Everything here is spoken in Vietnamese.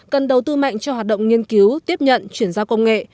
cần đầu tư mạnh cho hoạt động nghiên cứu tiếp nhận chuyển giao công nghệ